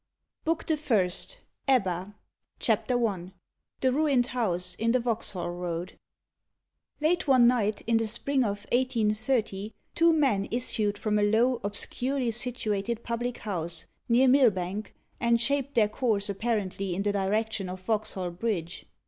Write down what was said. BOOK THE FIRST EBBA CHAPTER I THE RUINED HOUSE IN THE VAUXHALL ROAD Late one night, in the spring of 1830, two men issued from a low, obscurely situated public house, near Millbank, and shaped their course apparently in the direction of Vauxhall Bridge.